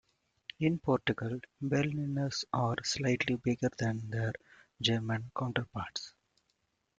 In Portugal, Berliners are slightly bigger than their German counterparts.